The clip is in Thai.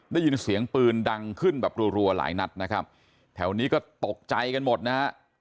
ได้ยินเสียงปืนดังขึ้นแบบรัวหลายนัดนะครับแถวนี้ก็ตกใจกันหมดนะฮะ